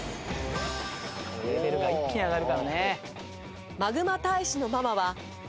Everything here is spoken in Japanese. レベルが一気に上がるからね。